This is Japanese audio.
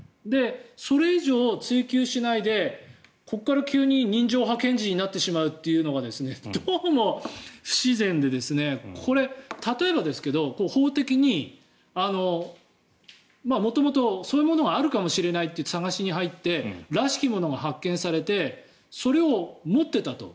それ以上、追及しないでここから急に人情派検事になってしまうというのがどうも不自然で例えばですが、法的に元々、そういうものがあるかもしれないって探しに入ってらしきものが発見されてそれを持っていたと。